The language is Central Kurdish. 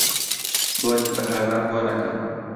بۆنی بەهاران بۆن ئەکەم